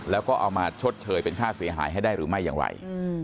แล้วก็เอามาชดเชยเป็นค่าเสียหายให้ได้หรือไม่อย่างไร